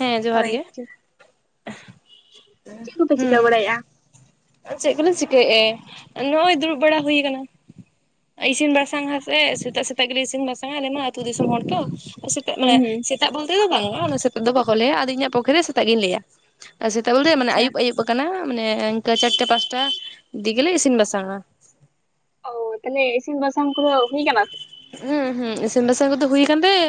ᱦᱮᱸ ᱡᱚᱦᱟᱨ ᱜᱮ ᱦᱳᱭ ᱪᱮᱫ ᱠᱚᱯᱮ ᱪᱤᱠᱟᱹ ᱦᱩᱸ ᱵᱟᱲᱟᱭᱮᱫᱼᱟ ᱾ ᱪᱮᱫ ᱠᱚᱞᱮ ᱪᱤᱠᱟᱹᱭᱮᱜᱼᱟ ᱱᱚᱜᱼᱚᱭ ᱫᱩᱲᱩᱵ ᱵᱟᱲᱟ ᱦᱩᱭ ᱠᱟᱱᱟ ᱾ ᱤᱥᱤᱱ ᱵᱟᱥᱟᱝ ᱟᱥᱮ ᱥᱮᱛᱟᱜ ᱥᱮᱛᱟᱜ ᱜᱮᱞᱮ ᱤᱥᱤᱱ ᱵᱟᱥᱟᱝᱟ ᱟᱞᱮ ᱢᱟ ᱟᱹᱛᱩ ᱫᱤᱥᱚᱢ ᱦᱚᱲ ᱛᱚ ᱾ ᱥᱮᱛᱟᱜ ᱦᱩᱸ ᱢᱟᱱᱮ ᱦᱩᱸ ᱥᱮᱛᱟᱜ ᱵᱚᱞᱛᱮ ᱫᱚ ᱵᱟᱝᱼᱟ ᱚᱱᱟ ᱥᱮᱛᱟᱜ ᱫᱚ ᱵᱟᱠᱚ ᱞᱟᱹᱭᱟ ᱟᱫᱚ ᱤᱧᱟᱹᱜ ᱯᱚᱠᱷᱮ ᱨᱮ ᱥᱮᱛᱟᱜ ᱜᱤᱧ ᱞᱟᱹᱭᱟ ᱟᱨ ᱥᱮᱛᱟᱜ ᱵᱮᱲᱟ ᱢᱟᱱᱮ ᱟᱪᱪᱷᱟ ᱟᱹᱭᱩᱵ ᱟᱹᱭᱩᱵ ᱟᱠᱟᱱᱟ ᱢᱟᱱᱮ ᱤᱱᱠᱟᱹ ᱪᱟᱨᱴᱟ ᱯᱟᱸᱪᱴᱟ ᱫᱤᱜᱮ ᱞᱮ ᱤᱥᱤᱱ ᱵᱟᱥᱟᱝᱟ ᱾ ᱚ ᱛᱟᱦᱚᱞᱮ ᱤᱥᱤᱱ ᱵᱟᱥᱟᱝ ᱠᱚᱫᱚ ᱦᱩᱭ ᱟᱠᱟᱱᱟ ᱠᱟᱱᱟ ᱥᱮ? ᱦᱩᱸ ᱦᱩᱸ ᱤᱥᱤᱱ ᱵᱟᱥᱟᱝ ᱠᱚᱫᱚ ᱦᱩᱭᱩ ᱟᱠᱟᱱ ᱛᱮᱭ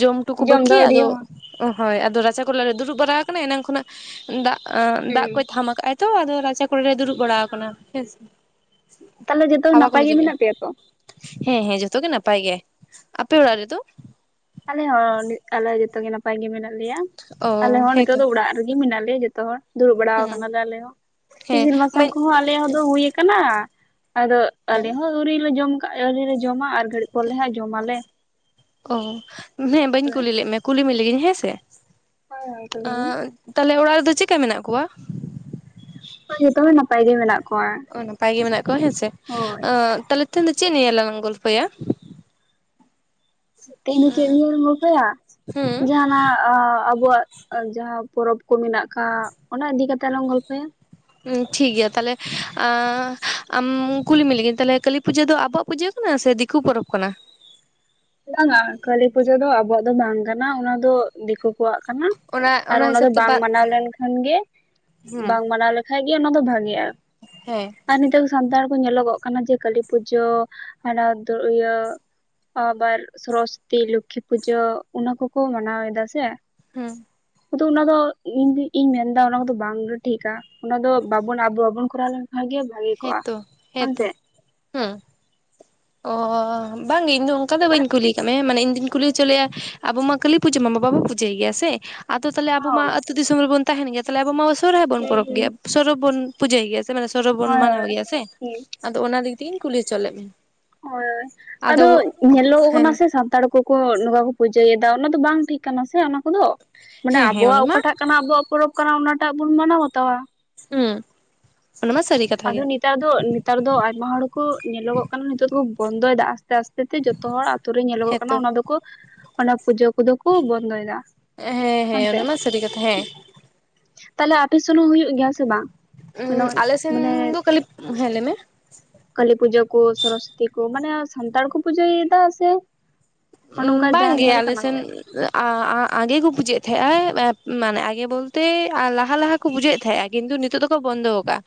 ᱡᱚᱢ ᱴᱩᱠᱩ ᱫᱚ ᱵᱟᱠᱤ ᱟᱹᱣᱨᱤ ᱟᱫᱚ ᱦᱚᱸ ᱾ ᱚ ᱦᱳᱭ ᱟᱫᱚ ᱨᱟᱪᱟ ᱠᱚᱨᱮ ᱞᱮ ᱫᱩᱲᱩᱵ ᱵᱟᱲᱟ ᱟᱠᱟᱱᱟ ᱮᱱᱟᱝ ᱠᱷᱚᱱᱟᱜ ᱫᱟᱜ ᱫᱟᱜ ᱦᱩᱸ ᱠᱚᱭ ᱛᱷᱟᱢ ᱟᱠᱟᱫ ᱛᱚ ᱟᱫᱚ ᱨᱟᱪᱟ ᱠᱚᱨᱮ ᱞᱮ ᱫᱩᱲᱩᱵ ᱵᱟᱲᱟ ᱟᱠᱟᱱᱟ ᱦᱮᱸᱥᱮ ᱛᱟᱦᱚᱞᱮ ᱡᱚᱛᱚ ᱠᱷᱟᱵᱟᱨ ᱱᱟᱯᱟᱭ ᱠᱚᱞᱮ ᱜᱮ ᱡᱚᱢᱮᱜᱼᱟ ᱢᱮᱱᱟᱜ ᱯᱮᱭᱟ ᱛᱚ? ᱦᱮᱸ ᱦᱮᱸ ᱡᱚᱛ ᱡᱚᱛᱚ ᱜᱮ ᱱᱟᱯᱟᱭ ᱜᱮᱭᱟ ᱟᱯᱮ ᱚᱲ ᱨᱮ ᱫᱚ? ᱟᱞᱮ ᱦᱚᱸ ᱟᱞᱮ ᱡᱚᱛᱚ ᱜᱮ ᱱᱟᱯᱟᱭ ᱜᱮ ᱢᱮᱱᱟᱜ ᱞᱮᱭᱟ ᱚ ᱾ ᱟᱞᱮ ᱦᱚᱸ ᱱᱤᱛᱚᱜ ᱦᱮᱸᱛᱚ ᱫᱚ ᱚᱲᱟᱜ ᱨᱮ ᱾ ᱨᱮ ᱢᱮᱱᱟᱜ ᱞᱮᱭᱟ ᱡᱚᱛᱚ ᱦᱚᱲ ᱫᱩᱲᱩᱵ ᱵᱟᱲᱟ ᱦᱮᱸ ᱟᱠᱟᱱᱟᱞᱮ ᱟᱞᱮ ᱦᱚᱸ ᱦᱮᱸ ᱤᱥᱤᱱ ᱵᱟᱥᱟᱝ ᱵᱟᱹᱧ ᱠᱚᱦᱚᱸ ᱟᱞᱮ ᱦᱩᱭ ᱾ ᱠᱟᱱᱟ ᱟᱫᱚ ᱦᱮᱸ ᱟᱞᱮ ᱦᱚᱸ ᱟᱹᱣᱨᱤ ᱞᱮ ᱡᱚᱢ ᱠᱟᱜ ᱟᱹᱣᱨᱤ ᱞᱮ ᱡᱚᱢᱟ ᱟᱨ ᱜᱷᱟᱹᱲᱤᱡ ᱯᱚᱨᱮ ᱞᱮ ᱦᱟᱸᱜ ᱡᱚᱢᱟᱞᱮ ᱾ ᱚ ᱦᱮᱸ ᱵᱟᱹᱧ ᱦᱳᱭ ᱠᱩᱞᱤ ᱞᱮᱫ ᱢᱮ ᱠᱩᱞᱤᱢ ᱞᱮᱜᱤᱧ ᱦᱮᱸᱥᱮ ᱦᱳᱭ ᱛᱟᱦᱚᱞᱮ ᱛᱟᱦᱚᱞᱮ ᱚᱲᱟᱜ ᱨᱮᱫᱚ ᱪᱮᱫᱠᱟ ᱢᱮᱱᱟᱜ ᱠᱚᱣᱟ? ᱡᱚᱛᱚ ᱦᱚᱲ ᱱᱟᱯᱟᱭ ᱜᱮ ᱢᱮᱱᱟᱜ ᱾ ᱚ ᱱᱟᱯᱟᱭ ᱜᱮ ᱢᱮᱱᱟᱜ ᱠᱚᱣᱟ ᱦᱮᱸᱥᱮ ᱦᱳᱭ ᱾ ᱛᱟᱦᱞᱮ ᱛᱮᱦᱮᱧ ᱫᱚ ᱪᱮᱫ ᱱᱤᱭᱮ ᱞᱟᱝ ᱜᱚᱞᱯᱷᱚᱭᱟ? ᱛᱮᱦᱤᱧ ᱫᱚ ᱪᱮᱫ ᱱᱤᱭᱮ ᱞᱟᱝ ᱜᱚᱞᱯᱷᱚᱭᱟ ᱦᱩᱸ ᱡᱟᱦᱟᱱᱟᱜ ᱟᱵᱚᱣᱟᱜ ᱟᱨ ᱡᱟᱦᱟᱸ ᱯᱚᱨᱚᱵᱽ ᱠᱚ ᱢᱮᱱᱟᱜ ᱟᱠᱟᱫ ᱚᱱᱟ ᱤᱫᱤ ᱠᱟᱛᱮ ᱞᱟᱝ ᱜᱚᱞᱯᱷᱚᱭᱟ ᱾ ᱴᱷᱤᱠ ᱜᱮᱭᱟ ᱛᱟᱦᱚᱞᱮ ᱟᱢ ᱠᱩᱞᱤᱢᱮ ᱞᱮᱜᱤᱧ ᱛᱟᱦᱚᱞᱮ ᱠᱟᱹᱞᱤ ᱯᱩᱡᱟᱹ ᱫᱚ ᱟᱵᱚᱣᱟᱜ ᱯᱩᱡᱟᱹ ᱥᱮ ᱫᱤᱠᱩ ᱯᱚᱨᱚᱵᱽ ᱠᱟᱱᱟ? ᱵᱟᱝᱼᱟ ᱠᱟᱹᱞᱤ ᱯᱩᱡᱟᱹ ᱫᱚ ᱟᱵᱚᱣᱟᱜ ᱫᱚ ᱵᱟᱝ ᱠᱟᱱᱟ ᱚᱱᱟ ᱫᱚ ᱫᱤᱠᱩ ᱠᱚᱣᱟᱜ ᱠᱟᱱᱟ ᱾ ᱟᱨ ᱚᱱᱟ ᱫᱚ ᱦᱤᱥᱟᱹᱵ ᱛᱮ ᱵᱟᱝ ᱵᱟᱨ ᱢᱟᱱᱟᱣ ᱞᱮᱱᱠᱷᱟᱱ ᱜᱮ ᱦᱩᱸ ᱵᱟᱝ ᱢᱟᱱᱟᱣ ᱞᱮᱠᱷᱷᱟᱡ ᱜᱮ ᱚᱱᱟ ᱫᱚ ᱵᱷᱟᱜᱤᱼᱟ ᱾ ᱦᱮᱸ ᱟᱨ ᱱᱤᱛᱚᱜ ᱥᱟᱱᱛᱟᱲ ᱠᱚ ᱧᱮᱞᱚᱜᱚᱜ ᱠᱟᱱᱟ ᱡᱮ ᱠᱟᱞᱤ ᱯᱩᱡᱟᱹ ᱟᱨ ᱤᱭᱟᱹ ᱟᱵᱟᱨ ᱥᱚᱨᱚᱥᱚᱛᱤ ᱞᱚᱠᱠᱷᱤ ᱯᱩᱡᱟᱹ ᱚᱱᱟ ᱠᱚᱠᱚ ᱢᱟᱱᱟᱣ ᱮᱫᱟ ᱥᱮ ᱾ ᱦᱮᱸ ᱠᱤᱱᱛᱩ ᱚᱱᱟ ᱠᱚᱫᱚ ᱤᱧ ᱤᱧ ᱢᱮᱱᱫᱟ ᱚᱱᱟ ᱠᱚᱫᱚ ᱵᱟᱝ ᱜᱮ ᱴᱷᱤᱠᱟ ᱾ ᱚᱱᱟ ᱫᱚ ᱵᱟᱵᱚᱱ ᱟᱵᱚ ᱵᱟᱵᱚᱱ ᱠᱚᱨᱟᱣ ᱞᱮᱱᱠᱷᱟᱱ ᱜᱮ ᱵᱷᱟᱜᱮ ᱠᱚᱜᱼᱟ ᱦᱮᱛᱚ ᱵᱟᱝ ᱦᱮᱛᱚ ᱥᱮ ᱦᱩᱸ ᱚ ᱵᱟᱝᱜᱮ ᱤᱧᱫᱚ ᱚᱱᱠᱟ ᱫᱚ ᱵᱟᱹᱧ ᱠᱩᱞᱤ ᱠᱟᱜ ᱢᱮ ᱢᱟᱱᱮ ᱤᱧᱩᱧ ᱠᱩᱞᱤ ᱪᱮᱞᱮᱭᱟ ᱟᱵᱚ ᱢᱟ ᱠᱟᱹᱞᱤ ᱯᱩᱡᱟᱹ ᱢᱟ ᱵᱟᱵᱚ ᱯᱩᱡᱟᱹᱭ ᱜᱮᱭᱟ ᱥᱮ ᱟᱫᱚ ᱛᱟᱦᱚᱞᱮ ᱟᱵᱚ ᱢᱟ ᱦᱳᱭ ᱟᱹᱛᱩ ᱫᱤᱥᱚᱢ ᱨᱮᱵᱚᱱ ᱛᱟᱦᱮᱱ ᱜᱮᱭᱟ ᱛᱟᱦᱚᱞᱮ ᱟᱵᱚ ᱢᱟ ᱥᱚᱨᱦᱟᱭ ᱵᱚᱱ ᱦᱩᱸ ᱯᱚᱨᱚᱵᱽ ᱦᱩᱸ ᱜᱮᱭᱟ ᱥᱚᱨᱚᱵᱽ ᱵᱚᱱ ᱯᱩᱡᱟᱹᱭ ᱜᱮᱭᱟ ᱾ ᱥᱮ ᱢᱟᱱᱮ ᱥᱚᱨᱚ ᱵᱚᱱ ᱦᱳᱭ ᱢᱟᱱᱟᱣ ᱜᱮᱭᱟ ᱥᱮ ᱦᱳᱭ ᱟᱫᱚ ᱚᱱᱟ ᱞᱟᱹᱜᱤᱫ ᱛᱮᱜᱤᱧ ᱠᱩᱞᱤ ᱦᱚᱪᱚ ᱞᱮᱫ ᱢᱮ ᱾ ᱦᱳᱭ ᱟᱫᱚ ᱧᱮᱞᱚᱜ ᱦᱮᱸ ᱠᱟᱱᱟ ᱥᱮ ᱥᱟᱱᱛᱟᱲ ᱠᱚ ᱱᱚᱝᱠᱟ ᱠᱚ ᱯᱩᱡᱟᱹᱭᱮᱫᱟ ᱚᱱᱟ ᱫᱚ ᱵᱟᱝ ᱴᱷᱤᱠ ᱠᱟᱱᱟ ᱥᱮ ᱚᱱᱟ ᱠᱚᱫᱚ ᱢᱟᱱᱮ ᱦᱮᱸ ᱦᱮᱸ ᱚᱱᱟ ᱟᱵᱚᱣᱟᱜ ᱢᱟ ᱚᱠᱟᱴᱟᱜ ᱾ ᱠᱟᱱᱟ ᱟᱵᱚᱣᱟᱜ ᱯᱚᱨᱚᱵᱽ ᱠᱟᱱᱟ ᱚᱱᱟᱴᱟᱜ ᱵᱚᱱ ᱢᱟᱱᱟᱣ ᱵᱟᱛᱟᱣᱟ ᱾ ᱦᱩᱸ ᱾ ᱚᱱᱟ ᱢᱟ ᱥᱟᱹᱨᱤ ᱠᱟᱛᱷᱟ ᱾ ᱟᱫᱚ ᱱᱮᱛᱟᱨ ᱫᱚ ᱱᱮᱛᱟᱨ ᱫᱚ ᱟᱭᱢᱟ ᱦᱚᱲ ᱠᱚ ᱧᱮᱞᱚᱜᱚᱜ ᱠᱟᱱᱟ ᱱᱤᱛᱚᱜ ᱫᱚᱠᱚ ᱵᱚᱱᱫᱚᱭᱮᱫᱟ ᱟᱥᱛᱮ ᱟᱥᱛᱮ ᱾ ᱡᱮᱛᱮ ᱡᱚᱛᱚ ᱦᱚᱲ ᱟᱛᱳ ᱨᱮ ᱧᱮᱞᱚᱜᱚᱜ ᱠᱟᱱᱟ ᱦᱮᱸᱛᱚ ᱚᱱᱟ ᱫᱚᱠᱚ ᱚᱱᱟ ᱯᱩᱡᱟᱹ ᱠᱚᱫᱚ ᱠᱚ ᱵᱚᱱᱫᱚᱭᱮᱫᱟ ᱾ ᱦᱮᱸ ᱦᱮᱸ ᱚᱱᱟᱢᱟ ᱥᱟᱹᱨᱤ ᱠᱟᱛᱷᱟ ᱦᱮᱸ ᱾ ᱛᱟᱦᱚᱞᱮ ᱟᱯᱮ ᱥᱮᱱ ᱦᱚᱸ ᱦᱩᱭᱩᱜ ᱜᱮᱭᱟ ᱥᱮ ᱵᱟᱝ? ᱩᱸ ᱟᱞᱮ ᱥᱮᱜᱼᱼ ᱢᱟᱱᱮᱼᱼ ᱛᱟᱦᱮᱞᱤᱯ, ᱦᱮᱸ ᱞᱟᱹᱭ ᱢᱮ᱾ ᱠᱟᱹᱞᱤ ᱯᱩᱡᱟᱹ ᱠᱚ ᱥᱚᱨᱚᱥᱚᱛᱤ ᱠᱩ ᱢᱟᱱᱮ ᱥᱟᱱᱛᱟᱲ ᱠᱚ ᱯᱩᱡᱟᱹ ᱭᱮᱫᱟ ᱥᱮᱼᱼ ᱩᱸᱢ ᱵᱟᱝ ᱜᱮ ᱟᱞᱮ ᱥᱮᱱᱼ- ᱚ ᱟᱸᱼᱟᱸ ᱟᱜᱮ ᱠᱚ ᱵᱩᱡᱮᱫ ᱛᱮᱦᱮᱸᱜ ᱟᱭ ᱮᱸ ᱢᱟᱱᱮ ᱟᱜᱮ ᱵᱚᱞᱛᱮ ᱟᱻ ᱞᱟᱦᱟ ᱞᱟᱦᱟᱼᱼ ᱠᱚ ᱵᱩᱡᱷᱟᱹᱣᱮᱜ ᱛᱮᱦᱮᱸᱜ-ᱟ ᱠᱤᱱᱛᱩ ᱱᱤᱛᱚᱜ ᱫᱚᱠᱚ ᱵᱚᱱᱫᱚ ᱣᱟᱠᱟᱜ-ᱟ᱾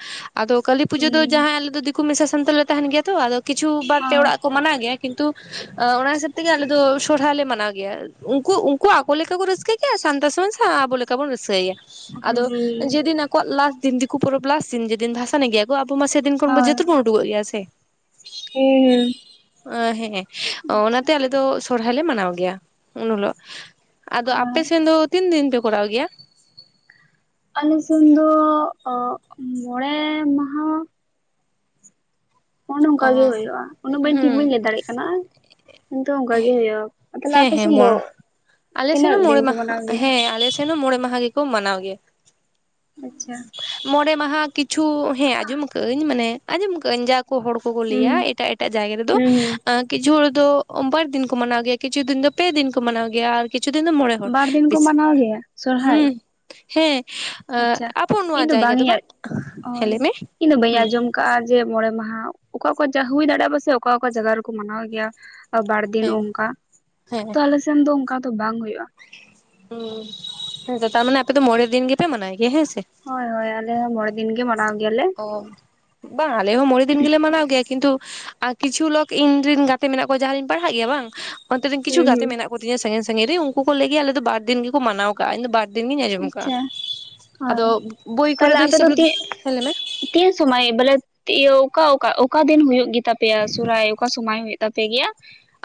ᱟᱫᱚ ᱠᱟᱹᱞᱤ ᱯᱩᱡᱟᱹ ᱦᱩᱸ ᱫᱚ ᱡᱟᱦᱟᱸᱭ ᱟᱞᱮ ᱫᱚ ᱫᱤᱠᱩ ᱢᱮᱥᱟ ᱥᱟᱱᱛᱟᱲ ᱞᱮ ᱛᱟᱦᱮᱱ ᱜᱮᱭᱟ ᱛᱚ ᱟᱫᱚ ᱠᱤᱪᱷᱩ ᱵᱟᱨ ᱯᱮ ᱦᱮᱸ ᱚᱲᱟᱜᱼᱼ ᱠᱚ ᱢᱟᱱᱟᱶ ᱜᱮᱭᱟ ᱠᱤᱱᱛᱩ ᱚᱸ ᱚᱱᱟ ᱡᱤᱥᱟᱹᱵᱽᱼᱼ ᱛᱮᱜᱮ ᱟᱞᱮ ᱫᱚ ᱥᱚᱨᱦᱟᱭ ᱞᱮ ᱢᱟᱱᱟᱣ ᱜᱮᱭᱟ ᱩᱱᱠᱩ ᱩᱱᱠᱩ ᱟᱠᱚ ᱞᱮᱠᱟ ᱠᱚ ᱨᱟᱹᱥᱠᱟᱹ ᱜᱮᱭᱟ ᱥᱟᱱᱛᱟᱲ ᱥᱚᱢᱟᱪ ᱥᱟᱶ ᱟᱵᱚ ᱞᱮᱠᱼᱼ ᱚᱠᱟ ᱵᱚᱱ ᱨᱟᱹᱥᱠᱟᱹᱭᱟ ᱦᱩᱸ ᱟᱫᱚ ᱦᱳᱭ ᱡᱮᱫᱤᱱ ᱟᱠᱚᱣᱟᱜ ᱞᱟᱥᱴ ᱫᱤᱱ ᱫᱤᱠᱩ ᱯᱚᱨᱚᱵᱽ ᱞᱟᱥᱴ ᱫᱤᱱ ᱡᱮᱫᱤᱱ ᱫᱷᱟᱥᱟᱱ ᱜᱮᱭᱟ ᱠᱚ ᱟᱵᱚ ᱢᱟᱥᱮ ᱛᱤᱱ ᱠᱷᱚᱡ ᱮᱢ ‌ᱵᱩᱡᱟ ᱡᱚ ᱛᱚᱵᱮᱢ ᱩᱰᱩᱠᱚᱜ ᱜᱮᱭᱟ ᱥᱮ, ᱦᱮᱸ ᱚᱸᱻ ᱦᱮᱸ ᱚᱱᱟᱼᱼ ᱟᱪᱪᱷᱟ ᱛᱮ ᱟᱞᱮ ᱫᱚ ᱥᱚᱨᱦᱟᱭ ᱞᱮ ᱢᱟᱱᱟᱣ ᱜᱮᱭᱟ ᱩᱱ ᱦᱚᱞᱳᱜ ᱟᱫᱚ ᱟᱨ ᱟᱯᱮ ᱥᱮᱱ ᱫᱚ ᱛᱤᱱ ᱫᱤᱱ ᱯᱮᱼᱼ ᱠᱚᱨᱟᱣ ᱜᱮᱭᱟ? ᱟᱞᱮ ᱥᱮᱱ ᱫᱚ ᱚᱜ ᱢᱚᱬᱮ ᱢᱟᱦᱟᱸ ᱾ ᱚᱱ ᱚᱝᱠᱟ ᱚ ᱜᱮ ᱦᱚᱭᱚᱜ-ᱟ ᱩᱱᱟᱹᱜ ᱵᱟᱹᱧ ᱴᱷᱤᱠ ᱵᱟᱹᱧ ᱦᱩᱸ ᱞᱟᱹᱭ ᱫᱟᱲᱮᱜ ᱠᱟᱱᱟ᱾ ᱠᱤᱱᱛᱩ ᱚᱱᱠᱟ ᱜᱮ ᱦᱩᱭᱩᱜ-ᱟ ᱟ ᱛᱟᱦᱮᱞᱮ‌ ᱦᱮᱸ ᱟᱯᱮ ᱦᱮᱸ ᱥᱮᱱ ᱫᱚ? ᱢᱚᱬ ᱟᱞᱮ ᱥᱮᱱ ᱛᱤᱱᱟᱹᱜ ᱦᱚᱸ ᱫᱤᱱ ᱢᱚᱬᱮ ᱠᱚ ᱢᱟᱦᱟ ᱢᱟᱱᱟᱣ ᱜᱮᱭᱟ ᱦᱮᱸ ᱟᱞᱮ ᱥᱮᱱ ᱦᱚᱸ ᱢᱚᱬᱮ ᱢᱟᱦᱟ ᱜᱮᱠᱚ ᱢᱟᱱᱟᱣ ᱜᱮᱭᱟ᱾ ᱟᱪᱪᱷᱟ᱾ ᱢᱚᱬᱮ ᱢᱟᱦᱟᱸ ᱠᱤᱪᱷᱩ ᱦᱮᱸ ᱟᱸᱡᱚᱢ ᱟᱹᱠᱟᱹᱜ-ᱟᱹᱧ ᱢᱟᱱᱮ ᱟᱸᱡᱚᱢ ᱠᱟᱹᱜ- ᱟᱹᱧ ᱡᱟ ᱠᱚ ᱦᱚᱲᱼᱼ ᱠᱚᱠᱚ ᱦᱩᱸ ᱞᱟᱹᱭᱟ ᱮᱴᱟᱜ ᱮᱴᱟᱜ ᱡᱟᱭᱜᱟ ᱨᱮᱫᱚ ᱦᱩᱸ ᱦᱩᱸ ᱟᱸᱼᱼ ᱠᱤᱪᱷᱩ ᱦᱚᱲ ᱫᱚ ᱵᱟᱨ ᱫᱤᱱ ᱠᱚ ᱢᱟᱱᱟᱶ ᱜᱮᱭᱟ ᱠᱤᱪᱷᱩ ᱫᱤᱱ ᱫᱚ ᱯᱮ ᱫᱤᱱ ᱠᱚ ᱢᱟᱱᱟᱣ ᱜᱮᱭᱟ ᱟᱨᱼᱼ ᱠᱤᱪᱷᱩ ᱫᱤᱱ ᱫᱚ ᱢᱚᱬᱮ ᱦᱚᱲ ᱵᱟᱨ ᱫᱤᱱ ᱠᱚ ᱵᱤᱥᱤᱜ ᱢᱟᱱᱟᱣ ᱜᱮᱭᱟ ᱥᱚᱨᱦᱟᱭ ᱦᱩᱸ ᱦᱮᱸ᱾ ᱟᱸᱜ ᱟᱪᱪᱷᱟ ᱟᱵᱚ ᱤᱧ ᱱᱚᱣᱟ ᱡᱟᱭᱜᱟ ᱫᱚ ᱤᱧ ᱵᱟᱝ ᱦᱮᱸ ᱞᱟᱹᱭ ‌ᱢᱮ ᱦᱩᱸ᱾ ᱠᱟ ᱡᱮ ᱢᱚᱬᱮ ᱢᱟᱦᱟᱸ ᱚᱠᱟ ᱚᱠᱟ ᱡᱟ ᱦᱩᱭ ᱫᱟᱲᱮᱜ-ᱟ ᱵᱟᱥᱮᱜ ᱚᱠᱟ ᱚᱠᱟ ᱡᱟᱭᱜᱟ ᱨᱮᱠᱚ ᱢᱟᱱᱟᱣ ᱜᱮᱭᱟ᱾ ᱵᱟᱨ ᱫᱤᱱ ᱦᱮᱸ ᱚᱱᱠᱟ ᱦᱮᱸ ᱛᱚ ᱟᱞᱮ ᱥᱮᱱ ᱫᱚ ᱚᱱᱠᱟ ᱫᱚ ᱵᱟᱝ ᱦᱚᱭᱚᱜ-ᱟ᱾ ᱦᱩᱸ ᱦᱮᱸᱛᱚ ᱛᱟᱨᱢᱟᱱᱮ ᱟᱯᱮ ᱫᱚ ᱢᱚᱬᱮ ᱫᱤᱱ ᱜᱮᱯᱮ ᱢᱟᱱᱟᱭ ᱜᱮᱭᱟ ᱦᱮᱸ ᱥᱮ᱾ ᱦᱚᱭ ᱦᱚᱭ ᱟᱞᱮ ᱦᱚᱸ ᱢᱚᱬᱮ ᱫᱤᱱ ᱜᱮ ᱢᱟᱱᱟᱶ ᱜᱮᱭᱟ ᱞᱮ᱾ ᱚ ᱵᱟᱝ ᱟᱞᱮ ᱦᱚᱸ ᱢᱚᱬᱮ ᱫᱤᱱ ᱜᱤᱞᱮ ᱢᱟᱱᱟᱣ ᱜᱮᱭᱟ ᱠᱤᱱᱛᱩᱼᱼ ᱟᱨ ᱠᱤᱪᱷᱩ ᱞᱚᱠ ᱤᱧ ᱨᱤᱱ ᱜᱟᱛᱮ ᱢᱮᱱᱟᱜ ᱠᱚᱣᱟ ᱡᱟᱦᱟᱸ ᱨᱤᱧ ᱯᱟᱲᱦᱟᱜ ᱜᱮᱭᱟ ᱵᱟᱝᱼᱼ ᱚᱱᱛᱮ ᱨᱮᱱ ᱠᱤᱪᱷᱩ ᱦᱩᱸ ᱜᱟᱛᱮ ᱦᱩᱸ ᱢᱮᱱᱟᱜ ᱠᱚ ᱛᱤᱧᱟ ᱥᱟᱺᱜᱤᱧ ᱥᱟᱺᱜᱤᱧ ᱨᱤᱱ ᱩᱱᱠᱩ ᱠᱚ ᱞᱟᱹᱭ ‌ᱜᱮᱭᱟ ᱟᱞᱮ ᱫᱚ ᱵᱟᱨ ᱫᱤᱱ ᱜᱮᱠᱚ ᱢᱟᱱᱟᱣ ᱠᱟᱜ-ᱟ ᱤᱱᱟᱹ ᱵᱟᱼᱼ ᱫᱤᱱ ᱜᱤᱧ ᱟᱸᱡᱚᱢ ᱠᱟᱜ-ᱟ ᱟᱪᱪᱷᱟ ᱟᱫᱚ ᱦᱳᱭ ᱵᱳᱭ ᱠᱚᱨᱮ ᱛᱟᱦᱞᱮ ᱫᱚ ᱟᱯᱮ ᱦᱤᱥᱟᱹᱵᱽ ᱨᱮᱫ ᱛᱤᱱ ᱦᱮᱸ ᱞᱟᱹᱭ ᱢᱮ᱾ ᱛᱤᱱ ᱥᱚᱢᱚᱭ ᱵᱚᱞᱮ ᱛᱮ ‌ᱤᱭᱟᱹ ᱚᱠᱟ ᱚᱠᱟ ᱚᱠᱟ ᱫᱤᱱ ᱦᱩᱭᱩᱜ ᱜᱮᱛᱟ ᱯᱮᱭᱟ ᱥᱚᱨᱦᱟᱭ ᱚᱠᱟ ᱥᱚᱢᱟᱭ ᱦᱩᱭᱼᱼ ᱛᱟᱯᱮ ᱜᱮᱭᱟ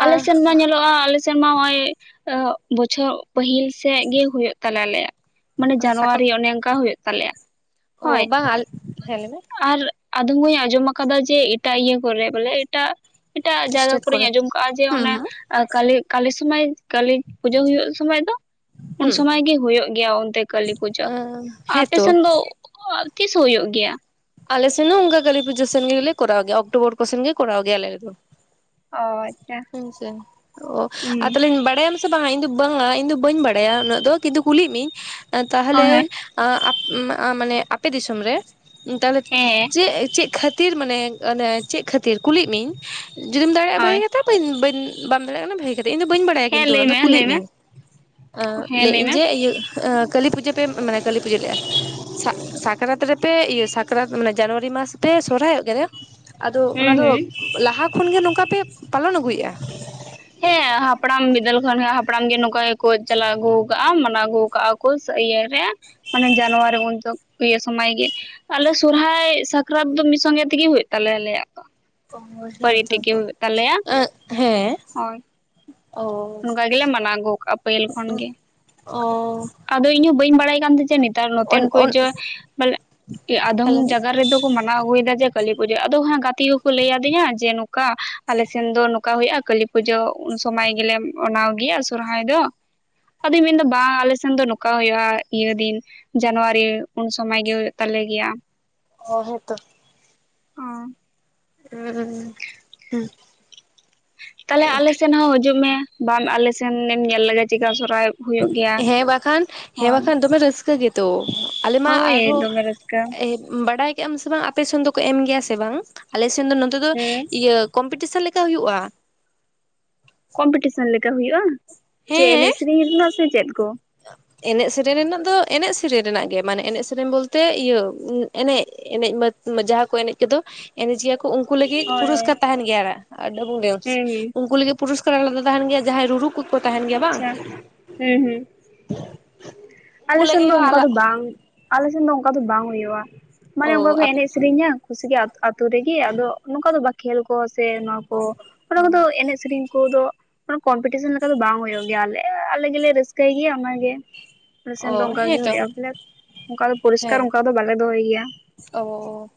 ᱟᱞᱮ ᱥᱮᱱ ᱢᱟ ᱧᱮᱞᱚᱜ-ᱟ ᱟᱞᱮᱼᱼ ᱥᱮᱱ ᱢᱟ ᱱᱚᱜ-ᱚᱭ ᱚᱜ ᱵᱚᱪᱷᱚᱨ ᱯᱟᱹᱦᱤᱞ ᱥᱮᱜ ᱜᱮ ᱦᱚᱭᱚᱜ ᱛᱟᱞᱮ ᱟᱞᱮᱭᱟᱜ᱾ ᱢᱟᱱᱮ ᱚᱱᱮ ᱥᱟᱠᱟᱢ ᱡᱟᱱᱣᱟᱨᱤ ᱚᱱᱮ ᱚᱱᱠᱟ ᱦᱩᱭᱩᱜ ᱛᱟᱞᱮᱭᱟ ᱚ ᱦᱚᱭ, ᱵᱟᱝ ᱦᱮᱸ ᱞᱟᱹᱭ ᱢᱮ ᱟᱨᱼᱼ ᱟᱫᱚᱢ ᱦᱩᱧ ᱟᱸᱡᱚᱢ ᱟᱠᱟᱫᱟ ᱡᱮ ᱮᱴᱟᱜ ᱤᱭᱟᱹ ᱠᱚᱨᱮ ᱵᱚᱞᱮ ᱮᱴᱟᱜᱼᱼ ᱮᱴᱟᱜ ᱡᱟᱭᱜᱟ ᱥᱴᱮᱴ ᱠᱚᱨᱤᱧ ᱠᱚᱨᱮ ᱟᱸᱡᱚᱢ ᱠᱟᱜᱼᱟ ᱡᱮ ᱦᱩᱸ ᱚᱱᱮᱼᱼ ᱟᱨ ᱠᱟᱞᱤ ᱠᱟᱞᱤ ᱥᱚᱢᱟᱹᱭ ᱠᱟᱹᱞᱤ ᱯᱩᱡᱟᱹ ᱦᱩᱭᱩᱜ ᱥᱚᱢᱟᱹᱭ ᱫᱚ ᱩᱱ ᱦᱩᱸ ᱥᱚᱢᱟᱹᱭ ᱜᱮ ᱦᱚᱭᱩᱜᱼᱼ ᱚᱱᱛᱮ ᱠᱟᱹᱞᱤ ᱯᱩᱡᱟᱹ ᱦᱩᱸ ᱟᱯᱮ ᱦᱮᱸᱛᱚ ᱥᱮᱱ ᱫᱚ ᱚᱻ ᱛᱤᱥ ᱦᱩᱭᱩᱜ ᱜᱮᱭᱟ? ᱟᱞᱮ ᱥᱮᱱ ᱦᱚᱸ ᱚᱱᱠᱟ ᱠᱟᱹᱞᱤ ᱯᱩᱡᱟᱹ ᱥᱮᱱ ᱜᱮᱞᱮ ᱠᱚᱨᱟᱣ ᱜᱮᱭᱟ ᱚᱠᱴᱳᱵᱚᱨ ᱠᱚ ᱥᱮᱱ ᱜᱮ ᱠᱚᱨᱟᱣ ᱜᱮᱭᱟ ᱞᱮ ᱟᱞᱮ‌ ᱫᱚ᱾ ᱚ ᱟᱪᱪᱷᱟ ᱦᱩᱸ ᱥᱮ ᱚ ᱟᱨ ᱦᱩᱸ ᱛᱟᱦᱚᱞᱮᱧ ᱵᱟᱲᱟ ᱭᱟᱢᱼᱼ ᱥᱮ ᱵᱟᱝᱟ ᱤᱧ ᱫᱚ ᱵᱟᱝᱟ ᱤᱧ ᱫᱚ ᱵᱟᱹᱧ ᱵᱟᱲᱟᱭᱟ ᱩᱱᱟᱹᱜ ᱫᱚ ᱠᱤᱱᱛᱩ ᱠᱩᱞᱤ ᱭᱤᱜ ᱢᱤᱭᱤᱧ ᱛᱟᱦᱚᱞᱮᱼᱼ ᱦᱳᱭ ᱦᱳᱭ ᱟᱸᱻ ᱟᱯ ᱢᱟ ᱢᱟᱱᱮ ᱟᱯᱮ ᱫᱤᱥᱚᱢ ᱨᱮ ᱛᱟᱦᱚᱞᱮ ᱦᱮᱸ ᱪᱮᱜ ᱪᱮᱜ ᱠᱷᱟᱹᱼᱼ ᱛᱤᱨ ᱢᱟᱱᱮ ᱚᱱᱮ ᱪᱮᱜ ᱠᱷᱟᱹᱛᱤᱨ ᱠᱩᱞᱤ ᱭᱤᱜ ᱢᱤᱭᱤᱧ ᱡᱩᱫᱤᱢ ᱫᱟᱲᱮᱭᱟᱜ-ᱟ ᱦᱳᱭ ᱵᱷᱟᱹᱜᱤ ᱠᱟᱛᱷᱟ᱾ ᱵᱟᱹᱧ ᱵᱟᱹᱧ ᱵᱟᱢ ᱫᱟᱲᱮᱭᱟᱜ ᱠᱟᱱᱟ ᱵᱷᱟᱜᱤ ᱠᱟᱛᱼᱼ ᱫᱚ ᱤᱧᱫᱚ ᱵᱟᱹᱧ ᱵᱟᱲᱟᱭᱟ ᱦᱮᱸ ᱠᱤᱱᱛᱩ ᱚᱱᱟ ᱞᱟᱹᱭ ᱫᱚ ᱢᱮ ᱞᱟᱹᱭ ᱠᱩᱞᱤᱭᱤᱜ ᱢᱮ ᱢᱤᱭᱤᱧ ᱟᱸ ᱦᱮᱸ ᱞᱟᱹᱭᱮᱜ ᱞᱟᱹᱭ ᱤᱧ ᱢᱮ ᱡᱮ ᱤᱭᱟᱹᱼᱼ ᱠᱟᱹᱞᱤ ᱯᱩᱡᱟᱹ ᱯᱮ ᱢᱟᱱᱮ ᱠᱟᱹᱞᱤ ᱯᱩᱡᱟᱹ ᱞᱟᱹᱭᱮᱜ-ᱟ ᱥᱟᱠ ᱥᱟᱠᱨᱟᱛ ᱨᱮᱯᱮ ᱤᱭᱟᱹᱼᱼ ᱥᱟᱠᱨᱟᱛ ᱢᱟᱱᱮ ᱡᱟᱱᱩᱣᱟᱨᱤ ᱢᱟᱥ ᱛᱮ ᱥᱚᱨᱦᱟᱭᱚᱜ ᱜᱮᱭᱟᱞᱮ ᱟᱫᱚ ᱚᱱᱟ ᱦᱩᱸ ᱫᱚ ᱦᱩᱸ ᱞᱟᱦᱟ ᱠᱷᱚᱱ ᱜᱮ ᱱᱚᱝᱠᱟ ᱯᱮ ᱯᱟᱞᱚᱱ ᱟᱹᱜᱩᱭᱮᱫ-ᱟ ᱦᱮᱸ ᱦᱟᱯᱲᱟᱢ ᱵᱤᱫᱟᱹᱞ ᱠᱷᱚᱱ ᱦᱟᱯᱲᱟᱢ ᱜᱮ ᱱᱚᱝᱠᱟ ᱜᱮᱠᱚ ᱪᱟᱞᱟᱣ ᱟᱹᱜᱩ ᱠᱟᱜ-ᱟ ᱢᱟᱱᱟᱣ ᱟᱹᱜᱩ ᱠᱟᱜ-ᱟ ᱯᱩᱥ ᱤᱭ ᱨᱮ ᱢᱟᱱᱮ ᱡᱟᱱᱩᱣᱟᱨᱤ ᱩᱱ ᱤᱭᱟᱹ ᱥᱚᱢᱚᱭ ᱜᱮ ᱟᱞᱮ ᱥᱚᱨᱦᱟᱭ ᱥᱟᱠᱨᱟᱛ ᱫᱚ ᱢᱤᱫ ᱥᱚᱸᱜᱮ ᱛᱮᱜᱮ ᱦᱩᱭᱩᱜ ᱛᱟᱞᱮᱭᱟ ᱟᱞᱮᱭᱟᱜ ᱫᱚ ᱚ ᱯᱟ. ᱨᱤ ᱦᱮᱸᱛᱚ ᱛᱮᱜᱮ ᱦᱩᱭᱩᱜ ᱛᱟᱞᱮᱭᱟ ᱮᱸᱜ ᱦᱮᱸ ᱦᱳᱭ ᱚ ᱚᱱᱠᱟ ᱜᱮᱞᱮ ᱢᱟᱱᱟᱣ ᱟᱹᱜᱩ ᱠᱟᱜ-ᱟ ᱯᱟᱹᱦᱤᱞ ᱠᱷᱚᱱᱜᱮ ᱚ ᱟᱫᱚ ᱤᱧ ᱦᱚᱸ ᱵᱟᱹᱧ ᱵᱟᱲᱟᱭ ᱠᱟᱱ ᱛᱟᱦᱮᱸ ᱱᱮᱛᱟᱨ ᱚᱱ ᱱᱚᱛᱮᱱ ᱠᱚ ᱚᱱ ᱡᱮᱵᱚᱞᱮ ᱟᱫᱚᱢ ᱦᱮᱞᱳ ᱢᱮ ᱡᱟᱭᱜᱟ ᱨᱮᱫᱚ ᱢᱟᱱᱟᱣ ᱟᱹᱜᱩᱭᱟ ᱡᱮ ᱠᱟᱹᱞᱤ ᱯᱩᱡᱟᱹ ᱟᱫᱚ ᱦ ᱜᱟᱛᱮ ᱠᱚᱠᱚ ᱞᱟᱹᱭ ᱟᱹᱫᱤᱧᱟ ᱡᱮ ᱱᱚᱝᱠᱟ ᱟᱞᱮ ᱥᱮᱱ ᱫᱚ ᱱᱚᱝᱠᱟ ᱦᱩᱭᱩᱜ-ᱟ ᱠᱟᱹᱞᱤ ᱯᱩᱡ ᱯᱩᱡᱟᱹ ᱩᱱ ᱥᱚᱢᱚᱭ ᱜᱮᱞᱮ ᱢᱟᱱᱟᱣ ᱜᱮᱭᱟ ᱥᱚᱨᱦᱟᱭ ᱫᱚ ᱟᱫᱩᱧ ᱢᱮᱱ ᱫᱟ ᱵᱟᱝ ᱟᱞᱮ ᱥᱮᱱ ᱫᱚ ᱱᱚᱠᱟ ᱦᱩᱭᱩᱜ-ᱟ ᱤᱭᱟᱹ ᱫᱤᱱᱼᱼ ᱡᱟᱱᱣᱟᱨᱤ ᱩᱱ ᱥᱚᱢᱟᱭ ᱜᱮ ᱦᱩᱭᱩᱜ ᱛᱟᱞᱮ ᱜᱮᱭᱟ᱾ ᱚ ᱦᱮᱸ ᱛᱚ᱾ ᱦᱸ ᱦᱩᱸ ᱦᱩᱸ ᱛᱟᱦᱞᱮ ᱟᱞᱮ ᱥᱮᱱ ᱦᱚᱸ ᱦᱤᱡᱩᱜ ᱢᱮ ᱵᱟᱸᱜ ᱟᱞᱮ ᱥᱮᱱᱮᱢ ᱧᱮᱞ ᱞᱮᱜᱭᱟ ᱪᱤᱠᱟ. ᱥᱚᱨᱦᱟᱭᱚᱜ ᱦᱮᱸ ᱵᱟᱠᱷᱟᱱ ᱦᱮᱸ ᱵᱟᱠᱷᱟᱱ ᱫᱚᱢᱮ ᱨᱟᱹᱥᱠᱟᱹ ᱜᱮᱛᱚ ᱟᱞᱮ ᱢᱟ ᱦᱳᱭ ᱟᱨᱦᱚᱸ ᱫᱚᱢᱮ ᱨᱟᱹᱥᱠᱟᱹ ᱵᱟᱰᱟᱭ ᱠᱮᱫᱮᱜ ᱟᱢ ᱥᱮ ᱵᱟᱝ ᱟᱯᱮ ᱥᱮᱱ ᱫᱚᱠᱚ ᱮᱢ ᱜᱮᱭᱟ ᱥᱮ ᱵᱟᱝ ᱟᱞᱮᱥᱮᱱ ᱫᱚ ᱱᱚᱛᱮ ᱫᱚ ᱦᱮᱸ ᱤᱭᱟᱹ ᱠᱚᱢᱯᱤᱴᱤᱥᱮᱱ ᱞᱮᱠᱟ ᱦᱩᱭᱩᱜᱼᱟ᱾ ᱠᱚᱢᱯᱤᱴᱤᱥᱚᱱ ᱞᱮᱠᱟ ᱦᱩᱭᱩᱜ-ᱟ ᱪᱮᱫ ᱦᱮᱸ ᱮᱱᱮᱡ ᱥᱮᱨᱮᱧ ᱨᱮᱱᱟᱜ ᱥᱮ ᱪᱮᱫ ᱠᱚ? ᱮᱱᱮᱜ ᱥᱮᱨᱮᱧ ᱨᱮᱱᱟᱜ ᱫᱚ ᱮᱱᱮᱜ ᱥᱮᱨᱮᱧ ᱨᱮᱱᱟᱜ ᱜᱮ ᱢᱟᱱᱮ ᱮᱱᱮᱜ ᱥᱮᱨᱮᱧ ᱵᱚᱞᱛᱮ ᱤᱭᱟᱹ ᱮᱱᱮᱜ᱾ ᱮᱱᱮᱜ ᱢᱟ ᱡᱟᱦᱟᱸ ᱠᱚ ᱮᱱᱮᱜ ᱠᱚᱫᱚ ᱮᱱᱮᱡ ᱜᱮᱭᱟ ᱩᱱᱠᱩ ᱞᱟᱹᱜᱤᱫ ᱦᱳᱭ ᱦᱳᱭ ᱯᱩᱨᱚᱥᱠᱟᱨ ᱛᱟᱦᱮᱱ ᱜᱮᱭᱟ ᱰᱟᱵᱩ ᱰᱥ ᱦᱩᱸ ᱦᱩᱸ ᱩᱱᱠᱩ ᱞᱟᱹᱜᱤᱜ ᱯᱩᱨᱚᱥᱠᱟᱨ ᱟᱞᱟᱫᱟ ᱛᱟᱦᱮᱱ ᱜᱮᱭᱟ ᱡᱟᱦᱟᱸᱭ ᱨᱩᱨᱩ ᱠᱚᱠᱚ ᱛᱟᱦᱮᱱ ᱜᱮᱭᱟ ᱵᱟᱝ᱾ ᱦᱮᱸ ᱦᱩᱸ ᱩᱱᱠᱩ ᱟᱞᱮ ᱥᱮᱱ ᱞᱟᱹᱜᱤᱫ ᱫᱚ ᱦᱚᱸ ᱚᱱᱠᱟ ᱫᱚ ᱟᱞᱟᱜ ᱵᱟᱝ ᱟᱞᱮ ᱥᱮᱱ ᱫᱚ ᱚᱱᱠᱟ ᱫᱚ ᱵᱟᱝ ᱦᱩᱭᱩᱜᱼᱟ ᱢᱟᱱᱮ ᱚ ᱚᱱᱠᱟ ᱠᱚ ᱟᱯᱮ ᱮᱱᱮᱡ ᱥᱮᱨᱮᱧᱟ᱾ ᱠᱩᱥᱤᱜ ᱟᱛᱳ ᱨᱮᱜᱮ ᱟᱫᱚ ᱱᱚᱝᱠᱟ ᱫᱚ ᱵᱟ ᱠᱷᱮᱞ ᱠᱚ ᱥᱮ ᱱᱚᱣᱟ ᱚᱱᱟ ᱠᱚᱫᱚ ᱮᱱᱮᱡ ᱥᱮᱨᱮᱧ ᱠᱚᱫᱚ ᱠᱚᱢᱯᱤᱴᱤᱥᱚᱱ ᱞᱮᱠᱟ ᱫᱚ ᱵᱟᱝ ᱦᱩᱭᱩᱜ ᱜᱮᱭᱟᱞᱮ ᱟᱞᱮ ᱜᱮᱞᱮ ᱨᱟᱹᱥᱠᱟᱹᱭ ᱜᱮᱭᱟ ᱚᱱᱟᱜᱮ ᱟᱞᱮᱥᱮᱱ ᱫᱚ ᱚ ᱚᱝᱠᱟ ᱜᱮ ᱦᱮᱸᱛᱚ ᱦᱩᱭᱩᱜᱼᱟ ᱵᱚᱞᱮ ᱚᱝᱠᱟ ᱫᱚ ᱯᱚᱨᱤᱥᱠᱟᱨ ᱦᱮᱸ ᱚᱱᱠᱟ ᱫᱚ ᱵᱟᱞᱮ ᱫᱚᱦᱚᱭ ᱜᱮᱭᱟ᱾ ᱚ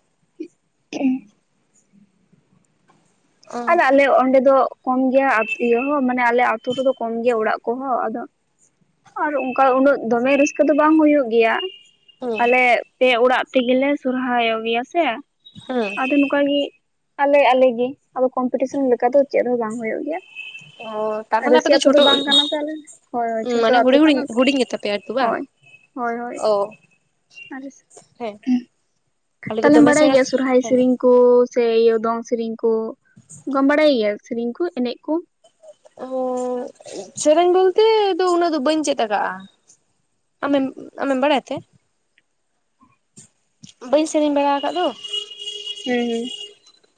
[unintelligible] ᱚ ᱟᱫᱚ ᱟᱞᱮ ᱚᱸᱰᱮ ᱫᱚ ᱠᱚᱢ ᱜᱮᱭᱟ ᱤᱭᱟᱹ ᱦᱚᱸ ᱢᱟᱱᱮ ᱟᱞᱮ ᱟ ᱟᱹᱛᱩ ᱨᱮᱫᱚ ᱠᱚᱢ ᱜᱮᱭᱟ ᱚᱲᱟᱜ ᱠᱚᱦᱚᱸ ᱟᱫᱚ ᱟᱨ ᱚᱝᱠᱟ ᱩᱱᱟᱹᱜ ᱫᱚᱢᱮ ᱨᱟᱹᱥᱠᱟᱹ ᱫᱚ ᱵᱟᱝ ᱦᱳᱭᱳᱜ ᱜᱮᱭᱟ᱾ ᱦᱩᱸ ᱟᱞᱮ ᱯᱮ ᱚᱲᱟᱜ ᱛᱮᱜᱮ ᱥᱚᱨᱦᱟᱭᱚᱜ ᱜᱮᱭᱟ ᱥᱮ ᱦᱩᱸ ᱟᱫᱚ ᱚᱱᱠᱟᱜᱮ ᱟᱞᱮ ᱟᱞᱮ ᱜᱮ ᱟᱫᱚ ᱠᱚᱢᱯᱤᱴᱤᱥᱚᱱ ᱞᱮᱠᱟ ᱫᱚ ᱪᱮᱫ ᱦᱚᱸ ᱵᱟᱝ ᱦᱩᱭᱩᱜ ᱜᱮᱭᱟ᱾ ᱚ ᱛᱟᱨᱢᱟᱱᱮ ᱟᱯᱮ ᱨᱟᱹᱥᱤ ᱟᱹᱛᱳ ᱫᱚ ᱪᱷᱳᱴᱳ ᱵᱟᱝ ᱠᱟᱱᱟ ᱥᱮ ᱟᱞᱮ ᱦᱳᱭ ᱦᱳᱭ ᱪᱷᱳᱴᱳ ᱢᱟᱱᱮ ᱟᱛᱳ ᱦᱩᱰᱤᱧ ᱠᱟᱱᱟ ᱦᱩᱰᱤᱧ ᱥᱮ ᱦᱩᱰᱤᱧ ᱜᱮᱛᱟᱯᱮᱭᱟ ᱟᱨᱠᱤ ᱵᱟᱝ ᱦᱳᱭ᱾ ᱦᱳᱭ ᱦᱳᱭ ᱚ [unintelligible] ᱦᱮᱸ ᱟᱞᱮ ᱫᱚ ᱛᱟᱦᱮᱞᱮᱢ ᱫᱚᱢᱮ ᱵᱟᱲᱟᱭ ᱥᱮᱬᱟ ᱜᱮᱭᱟ ᱥᱚᱨᱦᱟᱭ ᱦᱮᱸ ᱥᱮᱨᱮᱧ? ᱠᱩ ᱥᱮ ᱤᱭᱟᱹ ᱫᱚᱝ ᱥᱮᱨᱮᱧ ᱠᱚ ᱚᱱᱠᱟᱢ ᱵᱟᱲᱟᱭ ᱜᱮᱭᱟ ᱥᱮᱨᱮᱧ ᱠᱚ ᱮᱱᱮᱡ ᱠᱩ? ᱦᱩᱸ ᱥᱮᱨᱮᱧ ᱵᱚᱞᱛᱮ ᱫᱚ ᱩᱱᱟᱹᱜ ᱫᱚ ᱵᱟᱹᱧ ᱪᱮᱫ ᱟᱠᱟᱫᱼᱟ᱾ ᱟᱢᱮᱢ ᱟᱢᱮᱢ ᱵᱟᱲᱟᱭ ᱛᱮ? ᱵᱟᱹᱧ ᱥᱮᱨᱮᱧ ᱵᱟᱲᱟ ᱠᱟᱫ ᱫᱚ? ᱦᱩᱸ ᱦᱩᱸ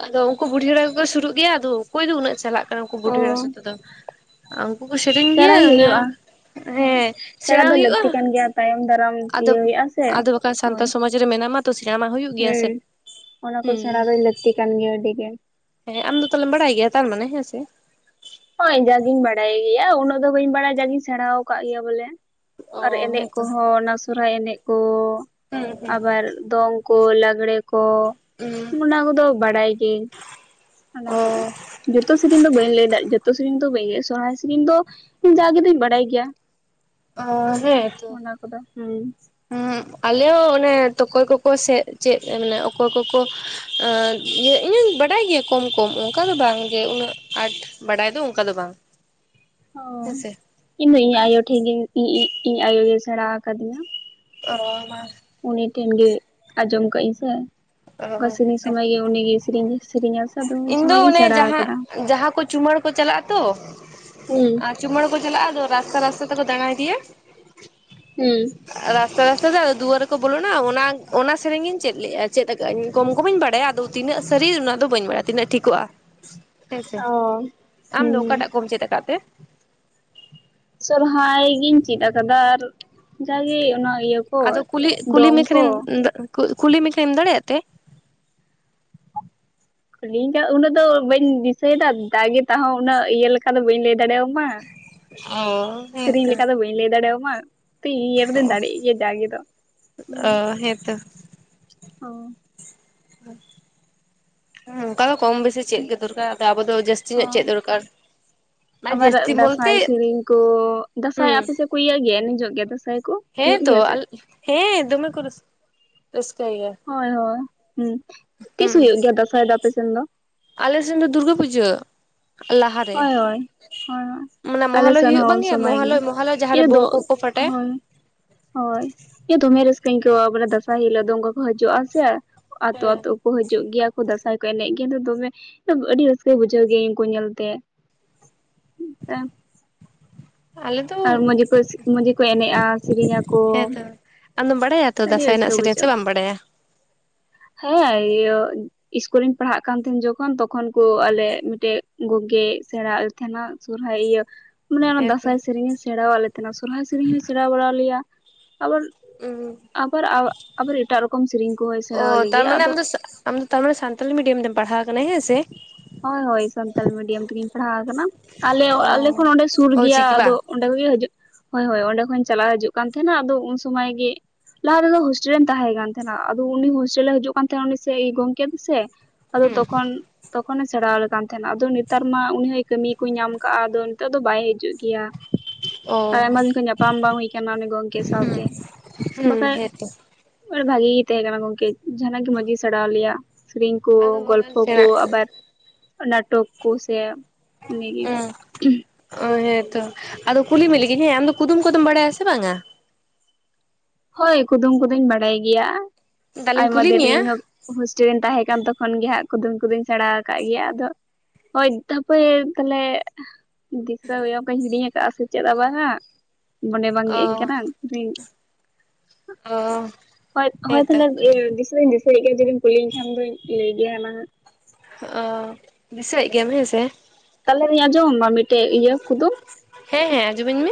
ᱟᱫᱚ ᱩᱝᱠᱩ ᱵᱩᱰᱷᱤ ᱮᱨᱟ ᱠᱚᱠᱚ ᱥᱩᱨᱩᱜ ᱜᱮᱭᱟ ᱟᱫᱚ ᱚᱠᱚᱭ ᱫᱚ ᱩᱱᱟᱹᱜ ᱪᱟᱞᱟᱜ ᱠᱟᱱᱟ ᱩᱱᱠᱩ ᱵᱩᱰᱦᱷᱤ ᱮᱨᱟ ᱥᱟᱛᱮ ᱫᱚ᱾ ᱟ ᱩᱱᱠᱩ ᱠᱩᱥᱤ ᱥᱮᱲᱟᱭ ᱦᱳᱭᱳᱜᱼᱟ ᱦᱳᱭ ᱥᱮᱲᱟ ᱥᱮᱬᱟ ᱫᱚ ᱦᱩᱭᱩᱜᱼᱟ ᱞᱟᱹᱠᱛᱤ ᱠᱟᱱ ᱜᱮᱭᱟ ᱛᱟᱭᱚᱢ ᱫᱟᱨᱟᱢ ᱟᱫᱚ ᱤᱭᱟᱹ ᱦᱩᱭᱩᱜᱼᱟ ᱥᱮ ᱟᱫᱚ ᱵᱟᱠᱷᱟᱱ ᱦᱳᱭ ᱥᱟᱱᱛᱟᱲ ᱥᱚᱢᱟᱡ ᱨᱮ ᱢᱮᱱᱟᱢᱟ ᱛᱚ ᱥᱮᱨᱟ ᱢᱟ ᱦᱳᱭᱳᱜ ᱜᱮᱭᱟ ᱥᱮ ᱦᱩᱸ ᱚᱱᱟ ᱠᱚ ᱦᱩᱸ᱾ ᱥᱮᱬᱟ ᱫᱚ ᱞᱟᱹᱠᱛᱤ ᱠᱟᱱ ᱜᱮᱭᱟ ᱟᱹᱰᱤ ᱜᱮ ᱛᱟᱦᱞᱮ ᱟᱢ ᱫᱚ ᱛᱟᱦᱞᱮᱢ ᱵᱟᱲᱟᱭ ᱜᱮᱭᱟ ᱛᱟᱨᱢᱟᱱᱮ ᱦᱮᱸ ᱥᱮ? ᱦᱳᱭ ᱡᱟᱜᱮᱧ ᱵᱟᱰᱟᱭ ᱜᱮᱭᱟ ᱩᱱᱟᱹᱜ ᱫᱚ ᱵᱟᱹᱧ ᱵᱟᱲᱟᱭ ᱜᱮᱭᱟ ᱡᱟᱜᱤᱧ ᱥᱮᱲᱟᱣ ᱠᱟᱜ ᱜᱮᱭᱟ ᱵᱚᱞᱮ ᱚ ᱟᱨ ᱮᱱᱮᱜ ᱦᱮᱸᱛᱚ ᱠᱚᱦᱚᱸ ᱚᱱᱟ ᱥᱚᱨᱦᱟᱭ ᱮᱱᱮᱜ ᱠᱚ ᱦᱩᱸ ᱦᱩᱸ ᱟᱵᱟᱨ ᱫᱚᱝ ᱠᱚ ᱞᱟᱸᱜᱽᱲᱮ ᱠᱚ ᱦᱩᱸ ᱚᱱᱟ ᱠᱚᱫᱚ ᱵᱟᱲᱟᱭ ᱜᱮ ᱚᱱᱟ ᱚ ᱠᱚᱫᱚ ᱡᱚᱛᱚ ᱥᱤᱨᱤᱧ ᱫᱚ ᱵᱟᱹᱧ ᱞᱟᱹᱭ ᱫᱚ ᱡᱛᱚ ᱥᱤᱨᱤᱧ ᱫᱚ ᱵᱟᱹᱧ ᱞᱟᱹᱭ ᱮᱜᱼᱟ ᱥᱚᱨᱦᱟᱭ ᱥᱤᱨᱤᱧ ᱫᱚᱧ ᱡᱟᱜᱮ ᱞᱤᱧ ᱵᱟᱰᱟᱭ ᱜᱮᱭᱟ ᱚ ᱦᱮᱸ ᱛᱚ ᱚᱱᱟ ᱠᱚᱫᱚ ᱦᱮᱸ᱾ ᱦᱩᱸ ᱟᱞᱮ ᱦᱚᱸ ᱚᱱᱮ ᱛᱠᱚᱭ ᱠᱚᱠᱚ ᱥᱮ ᱪᱮᱫ ᱢᱟᱱᱮ ᱚᱠᱚᱭ ᱠᱚᱠᱚ ᱮ ᱤᱭᱟᱹ ᱤᱧᱤᱧ ᱵᱟᱰᱟᱭ ᱜᱮᱭᱟ ᱠᱚᱢ ᱠᱚᱢ ᱚᱝᱠᱟ ᱫᱚ ᱵᱟᱝ ᱜᱮ ᱩᱱᱟᱹᱜ ᱟᱸᱴ ᱵᱟᱰᱟᱭ ᱫᱚ ᱚᱝᱠᱟ ᱫᱚ ᱵᱟᱝ᱾ [inaudible] ᱦᱮᱸᱥᱮ ᱤᱧᱫᱚ ᱤᱧ ᱟᱭᱳ ᱴᱷᱮᱱ ᱜᱮ ᱤᱧ ᱟᱭᱳ ᱜᱮᱭ ᱥᱮᱬᱟ ᱟᱠᱟᱫᱤᱧᱟ ᱚ ᱢᱟ ᱩᱱᱤ ᱴᱷᱮᱱ ᱜᱮ ᱟᱸᱡᱚᱢ ᱠᱟᱜ ᱟᱹᱧ ᱥᱮ ᱚᱝᱠᱟ ᱚ ᱥᱮᱨᱮᱧ ᱦᱮᱸᱛᱚ ᱥᱚᱢᱚᱭ ᱜᱮ ᱩᱱᱤ ᱜᱮ ᱥᱮᱨᱮᱧ ᱥᱮᱨᱮᱧᱟ ᱥᱮ᱾ ᱟᱫᱚ ᱩᱱ ᱤᱧ ᱫᱚ ᱥᱚᱢᱚᱭ ᱜᱤᱧ ᱚᱱᱮ ᱥᱮᱬᱟ ᱡᱟᱦᱟᱸ ᱟᱠᱟᱫᱟ ᱡᱟᱦᱟᱸ ᱠᱚ ᱪᱩᱢᱟᱹᱲ ᱠᱚ ᱪᱟᱞᱟᱜ ᱟᱛᱚ ᱦᱩᱸ ᱟ ᱪᱩᱢᱟᱹᱲᱟ ᱠᱚ ᱪᱟᱞᱟᱜᱼᱟ ᱟᱫᱚ ᱨᱟᱥᱛᱟ ᱨᱟᱥᱛᱟ ᱛᱮᱠᱚ ᱫᱟᱸᱞᱲᱟ ᱤᱫᱤᱭᱟ ᱾ ᱦᱩᱸ ᱨᱟᱥᱛᱟ ᱨᱟᱥᱛᱟ ᱛᱮ ᱟᱨ ᱫᱩᱣᱟᱹᱨ ᱨᱮᱠᱚ ᱵᱚᱞᱚᱱ ᱟ ᱚᱱᱟ ᱚᱱᱟ ᱥᱮᱨᱮᱧ ᱤᱧ ᱪᱮᱫ ᱞᱮᱜᱼᱟ ᱪᱮᱫ ᱠᱟᱜᱟᱹᱧ ᱠᱚᱢ ᱠᱚᱢᱤᱧ ᱵᱟᱰᱟᱭᱟ ᱟᱫᱚ ᱛᱤᱱᱟᱹᱜ ᱥᱟᱹᱨᱤ ᱚᱱᱟ ᱫᱚ ᱵᱟᱹᱧ ᱵᱟᱲᱟᱭᱼᱟ ᱛᱤᱱᱟᱹᱜ ᱴᱷᱤᱠᱚᱜᱼᱟ᱾ ᱦᱮᱸᱥᱮ ᱚ ᱦᱩᱸ ᱟᱢ ᱫᱚ ᱚᱠᱟᱴᱟᱜ ᱠᱚᱢ ᱪᱮᱫ ᱟᱠᱟᱫ ᱛᱮ ᱥᱚᱨᱦᱟᱭ ᱜᱤᱧ ᱪᱮᱫ ᱟᱠᱟᱫᱟ ᱟᱨ ᱡᱟᱜᱮ ᱚᱱᱟ ᱤᱭᱟᱹ ᱠᱚ ᱟᱫᱚ ᱠᱩᱞᱤ ᱠᱩᱞᱤ ᱫᱚᱝ ᱢᱮᱠᱷᱟᱱ ᱠᱚ ᱤᱧ ᱠᱩᱞᱤ ᱢᱮᱠᱷᱟᱱ ᱫᱟᱲᱮᱭᱟᱜ ᱛᱮ ᱠᱩᱞᱤ ᱤᱧᱫᱚ ᱩᱱᱟᱹᱜ ᱫᱚ ᱵᱟᱹᱧ ᱫᱤᱥᱟᱹᱭ ᱮᱫᱟ ᱫᱟᱜᱮ ᱛᱟᱦᱚᱸ ᱩᱱᱟᱹᱜ ᱤᱭᱟᱹ ᱞᱮᱠᱟ ᱫᱚ ᱵᱟᱹᱧ ᱞᱟᱹᱭ ᱫᱟᱲᱮ ᱭᱟᱢᱟ ᱢᱟ ᱚ ᱥᱤᱨᱤᱧ ᱦᱮᱸᱛᱚ ᱞᱮᱠᱟ ᱫᱚ ᱵᱟᱹᱧ ᱞᱟᱹᱭ ᱫᱟᱲᱮᱣ ᱟᱢᱟ ᱤᱭᱟᱹ ᱠᱚᱫᱚ ᱫᱟᱲᱮᱜ ᱜᱮᱭᱟᱭ ᱡᱟᱜᱮ ᱫᱚ ᱦᱩᱸ ᱚ ᱦᱮᱸᱛᱚ ᱚ [inaudible] ᱦᱩᱸ ᱚᱱᱠᱟ ᱫᱚ ᱠᱚᱢ ᱵᱮᱥᱤ ᱪᱮᱫ ᱜᱮ ᱫᱚᱨᱠᱟᱨ ᱟᱫᱚ ᱟᱵᱚ ᱫᱚ ᱡᱟᱹᱥᱛᱤ ᱧᱚᱜ ᱦᱳᱭ ᱪᱮᱫ ᱫᱚᱨᱠᱟᱨ ᱢᱟᱱᱮ ᱟᱵᱟᱨ ᱡᱟᱹᱥᱛᱤ ᱵᱚᱞᱛᱮ ᱫᱟᱸᱥᱟᱭ ᱥᱮᱨᱮᱧ ᱠᱚ ᱫᱟᱸᱥᱟᱭ ᱦᱩᱸ ᱟᱯᱮ ᱥᱮᱫ ᱠᱚ ᱤᱭᱟᱹᱜ ᱜᱮᱭᱟ ᱮᱱᱮᱼᱚᱜ ᱜᱮᱭᱟ ᱫᱟᱸᱥᱟᱭ ᱠᱚ ᱦᱮᱸ ᱦᱩᱭᱩᱜ ᱛᱚ ᱜᱮᱭᱟ ᱥᱮ ᱦᱮᱸ ᱫᱚᱢᱮ ᱠᱚ ᱨᱟᱹᱥ ᱨᱟᱹᱥᱠᱟᱹᱭ ᱜᱮᱭᱟ ᱦᱳᱭ ᱦᱳᱭ ᱦᱩᱸ ᱛᱤᱥ ᱦᱩᱸ ᱦᱩᱭᱩᱜ ᱜᱮᱭᱟ ᱫᱟᱸᱥᱟᱭ ᱫᱚ ᱟᱯᱮᱥᱮᱱ ᱫᱚ ᱟᱞᱮ ᱥᱮᱱ ᱫᱚ ᱫᱩᱨᱜᱟᱹ ᱯᱩᱡᱟᱹ ᱞᱟᱦᱟ ᱨᱮ ᱦᱳᱭ ᱦᱳᱭ ᱦᱳᱭ ᱚᱱᱟ ᱟᱞᱮ ᱢᱚᱦᱟᱞᱚᱭᱟ ᱥᱮᱱ ᱦᱩᱭᱩᱜ ᱦᱚᱸ ᱵᱟᱝ ᱩᱱ ᱜᱮᱭᱟ ᱥᱚᱢᱚᱭ ᱜᱮ ᱢᱚᱦᱟᱞᱚᱭᱟ ᱢᱚᱦᱟᱞᱚᱭᱟ ᱡᱟᱦᱟᱸᱨᱮ ᱤᱧ ᱫᱚ ᱵᱳᱢ ᱠᱚᱠᱚ ᱯᱷᱟᱴᱟᱭᱟ ᱦᱳᱭ ᱦᱳᱭ ᱤᱧ ᱫᱚᱢᱮ ᱨᱟᱹᱥᱠᱟᱹᱧ ᱟᱹᱭᱠᱟᱹᱣ ᱟ ᱫᱟᱸᱥᱟᱭ ᱦᱤᱞᱳᱜ ᱫᱚᱱ ᱠᱚᱠᱚ ᱦᱤᱡᱩᱜᱼᱟ ᱥᱮ ᱟᱛᱳ ᱦᱮᱸ ᱟᱛᱳ ᱠᱚ ᱦᱤᱡᱩᱜ ᱜᱮᱭᱟ ᱠᱚ ᱫᱟᱸᱥᱟᱭ ᱠᱚ ᱮᱱᱮᱡ ᱜᱮᱭᱟ ᱫᱚᱢᱮ ᱟᱹᱰᱤ ᱨᱟᱹᱥᱠᱟᱹᱧ ᱵᱩᱡᱷᱟᱹᱣ ᱜᱮᱭᱟᱹᱧ ᱩᱱᱠᱩ ᱧᱮᱞ ᱛᱮ ᱟᱪᱪᱷᱟ [unintelligible] ᱟᱞᱮ ᱫᱚ ᱟᱨ ᱢᱚᱡᱽ ᱜᱮ ᱠᱚ ᱢᱚᱡᱽ ᱜᱮ ᱠᱚ ᱮᱱᱮᱡᱼᱟ ᱥᱤᱨᱤᱧ ᱟᱠᱚ ᱦᱮᱸᱛᱚ ᱟᱢᱫᱚᱢ ᱵᱟᱰᱟᱭᱟ ᱛᱚ ᱟᱹᱰᱤ ᱫᱟᱸᱟᱭ ᱨᱮᱱᱟᱜ ᱨᱟᱹᱥᱠᱟᱹ ᱥᱮᱨᱮᱧ ᱥᱮ ᱵᱩᱡᱷᱟᱹᱜᱼᱟ ᱵᱟᱢ ᱵᱟᱰᱟᱭᱟ ᱦᱮᱸ ᱤᱭᱟᱹ ᱥᱠᱩᱞ ᱨᱤᱧ ᱯᱟᱲᱦᱟᱜ ᱠᱟᱱ ᱛᱟᱦᱮᱱ ᱡᱚᱠᱷᱚᱱ ᱛᱚᱠᱷᱚᱱ ᱠᱚ ᱟᱞᱮ ᱢᱤᱫᱴᱮᱡ ᱜᱚᱝᱜᱮ ᱥᱮᱬᱟ ᱛᱟᱦᱮᱱᱟ ᱥᱚᱨᱦᱟᱭ ᱤᱭᱟᱹ ᱢᱟᱱᱮ ᱚᱱᱟ ᱦᱮᱸᱛᱚ ᱫᱟᱸᱥᱟᱭ ᱥᱤᱨᱤᱧ ᱮ ᱥᱮᱬᱟ ᱟᱫ ᱞᱮ ᱛᱟᱦᱮᱱᱟ ᱥᱚᱨᱦᱟᱭ ᱥᱤᱨᱤᱧ ᱦᱚᱸᱭ ᱥᱮᱬᱟ ᱵᱟᱲᱟ ᱟᱞᱮᱭᱟ ᱟᱵᱟᱨ ᱩᱸ ᱟᱵᱟᱨ ᱟᱵᱟᱨ ᱮᱴᱟᱜ ᱨᱚᱠᱚᱢ ᱥᱤᱨᱤᱧ ᱠᱚᱦᱚᱸᱭ ᱥᱮᱬᱟ ᱚ ᱟᱞᱮ ᱜᱮᱭᱟ ᱛᱟᱨᱢᱟᱱᱮ ᱟᱫᱚ ᱟᱢ ᱫᱚ ᱟᱢ ᱫᱚ ᱛᱟᱞᱮ ᱥᱟᱱᱛᱟᱞᱤ ᱢᱤᱰᱤᱭᱟᱢ ᱛᱮᱢ ᱯᱟᱲᱦᱟᱣ ᱟᱠᱟᱱᱟ ᱦᱮᱸ ᱥᱮ ᱦᱳᱭ ᱦᱳᱭ ᱥᱟᱱᱛᱟᱞᱤ ᱢᱤᱰᱤᱭᱟᱢ ᱛᱮᱜᱤᱧ ᱯᱟᱲᱦᱟᱣ ᱟᱠᱟᱱᱟ ᱟᱞᱮ ᱟᱞᱮ ᱠᱷᱚᱱ ᱚ ᱚᱸᱰᱮ ᱥᱩᱨ ᱜᱮᱭᱟ ᱚᱞᱪᱤᱠᱤ ᱟᱫᱚ ᱵᱟᱝ ᱚᱸᱰᱮ ᱠᱚᱜᱮ ᱦᱤᱡᱩᱜ ᱦᱳᱭ ᱦᱳᱭ ᱚᱸᱰᱮ ᱠᱷᱚᱱ ᱪᱟᱞᱞᱟᱣ ᱦᱤᱡᱩᱜ ᱠᱟᱱ ᱛᱟᱦᱮᱱᱟ ᱟᱫᱚ ᱩᱱ ᱥᱩᱢᱟᱹᱭ ᱜᱮ ᱞᱟᱦᱟ ᱛᱮᱫᱚ ᱦᱥᱴᱮᱞ ᱨᱮᱧ ᱛᱟᱦᱮᱸ ᱠᱟᱱ ᱛᱟᱦᱮᱸᱱ ᱟ ᱟᱫᱚ ᱩᱱᱤ ᱦᱳᱥᱴᱮᱞ ᱮ ᱦᱤᱡᱩᱜ ᱠᱟᱱ ᱛᱟᱦᱮᱸᱱ ᱟ ᱩᱱᱤ ᱥᱮ ᱜᱚᱢᱠᱮ ᱫᱚ ᱥᱮ ᱟᱫᱚ ᱦᱩᱸ ᱛᱚᱠᱷᱚᱱ ᱛᱚᱠᱷᱚᱱ ᱮ ᱥᱮᱬᱟ ᱟᱞᱮ ᱠᱟᱱ ᱛᱟᱦᱮᱸᱱᱟ ᱟᱫᱚ ᱱᱮᱛᱟᱨ ᱢᱟ ᱩᱱᱤ ᱦᱚᱸᱭ ᱠᱟᱹᱢᱤ ᱠᱚᱭ ᱧᱟᱢ ᱟᱠᱜᱼᱟ ᱟᱫᱚ ᱱᱤᱛᱚᱜ ᱫᱚ ᱵᱟᱭ ᱦᱤᱡᱩᱜ ᱜᱮᱭᱟ ᱚ ᱟᱨ ᱟᱭᱢᱟ ᱫᱤᱱ ᱠᱷᱚᱱ ᱧᱟᱯᱟᱢ ᱵᱟᱝ ᱦᱩᱭ ᱠᱟᱱᱟ ᱩᱱᱮ ᱜᱚᱝᱠᱮ ᱥᱟᱶᱛᱮ ᱦᱩᱸ ᱵᱟᱠᱷᱟᱡ ᱦᱮᱸᱛᱚ ᱟᱨ ᱵᱷᱟᱜᱤ ᱜᱮ ᱛᱟᱦᱮᱸ ᱠᱟᱱᱟ ᱜᱚᱝᱠᱮ ᱡᱟᱦᱟᱸᱱᱼᱟᱜ ᱜᱮ ᱢᱚᱸᱡᱽ ᱜᱮ ᱥᱮᱸᱬᱟ ᱟᱞᱮᱭᱟ ᱥᱮᱨᱮᱧ ᱠᱚ ᱟᱫᱚ ᱵᱟᱜᱟᱱ ᱜᱚᱞᱯᱚ ᱠᱚ ᱥᱮᱬᱟ ᱟᱵᱟᱨ ᱱᱟᱴᱚᱠ ᱠᱚ ᱥᱮ ᱦᱩᱸ ᱚ ᱦᱮᱸ ᱛᱚ ᱟᱫᱚ ᱠᱩᱞᱤᱢᱮ ᱞᱟᱹᱜᱤᱫᱜ ᱦᱮᱸ ᱟᱢᱫᱚ ᱠᱩᱫᱩᱢ ᱠᱚᱫᱚᱢ ᱵᱟᱲᱟᱭᱟ ᱥᱮ ᱵᱟᱝᱟ ᱦᱳᱭ ᱠᱩᱫᱩᱢ ᱠᱩᱫᱚᱧ ᱵᱟᱲᱟᱭ ᱜᱮᱭᱟ ᱫᱟᱞᱤᱧ ᱟᱭᱢᱟ ᱠᱩᱞᱤ ᱫᱤᱱᱜᱮ ᱢᱮᱭᱟ ᱤᱧ ᱦᱚᱸ ᱦᱳᱥᱴᱮᱞᱤᱧ ᱛᱟᱦᱮᱸ ᱠᱟᱱ ᱛᱚᱠᱷᱚᱱ ᱜᱮ ᱦᱟᱸᱜ ᱠᱩᱫᱩᱢ ᱠᱚᱫᱚᱧ ᱥᱮᱬᱟ ᱟᱠᱟᱫ ᱜᱮᱭᱟ ᱟᱫᱚ ᱦᱳᱭ ᱛᱟᱯᱚᱨ ᱛᱟᱦᱚᱞᱮ ᱫᱤᱥᱟᱹ ᱦᱩᱭᱩᱜ ᱚᱱᱠᱟᱧ ᱦᱤᱲᱤᱧ ᱟᱠᱟᱫᱼᱟ ᱥᱮ ᱪᱮᱫ ᱟᱵᱟᱨ ᱦᱟᱸᱜ ᱢᱚᱱᱮ ᱚ ᱵᱟᱝᱜᱮᱫ ᱟᱹᱧ ᱠᱟᱱᱟ ᱚ ᱦᱳᱭ ᱦᱳᱭ ᱦᱮᱸᱛᱚ ᱛᱟᱦᱚᱞᱮ ᱫᱤᱥ ᱫᱩᱧ ᱫᱤᱥᱟᱹᱭᱮᱫ ᱜᱮᱭᱟ ᱡᱩᱫᱤᱢ ᱠᱩᱞᱤᱧ ᱠᱷᱟᱱ ᱫᱚᱧ ᱞᱟᱹᱭ ᱜᱮᱭᱟ ᱢᱟᱦᱟᱹᱟ ᱚ ᱫᱤᱥᱟᱹᱭᱮᱫ ᱜᱮᱭᱟᱢ ᱦᱮᱸ ᱥᱮ ᱛᱟᱦᱚᱞᱮ ᱨᱤᱧ ᱟᱸᱡᱚᱢᱟᱢᱟ ᱢᱤᱫᱴᱮᱡ ᱤᱭᱟᱹ ᱠᱩᱫᱩᱢ ᱦᱮᱸ ᱦᱮᱸ ᱟᱡᱚᱢᱟᱹᱧ ᱢᱮ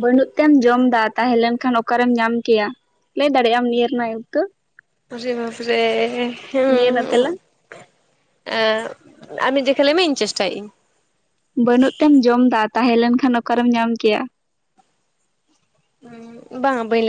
ᱵᱟᱹᱱᱩᱜ ᱛᱮᱢ ᱡᱚᱢ ᱫᱟ ᱛᱟᱦᱮᱸᱞᱮᱱ ᱠᱷᱟᱱ ᱚᱠᱟᱨᱮᱢ ᱧᱟᱢ ᱠᱮᱭᱟ ᱞᱟᱹᱭ ᱫᱟᱲᱮᱭᱟᱜ ᱟᱢ ᱱᱤᱭᱟᱹ ᱨᱮᱱᱟᱜ ᱩᱛᱛᱟᱹᱨ ᱟᱨᱮ ᱵᱟᱯᱨᱮ ᱱᱤᱭᱟᱹ ᱦᱩᱸ ᱨᱮᱱᱟᱜ ᱛᱮᱞᱟ ᱮ ᱟᱨ ᱢᱤᱡᱷᱤᱠᱟ ᱞᱟᱭ ᱢᱮᱮᱧ [unintelligible] ᱪᱮᱥᱴᱟᱭᱮᱫ ᱤᱧ ᱵᱟᱹᱱᱩᱜ ᱛᱮᱢ ᱡᱚᱢ ᱫᱟ ᱛᱟᱦᱮᱸ ᱞᱮᱱᱠᱷᱟᱱ ᱚᱠᱟᱨᱮᱢ ᱧᱟᱢ ᱠᱮᱭᱟ ᱵᱟᱝ ᱵᱟᱹᱞ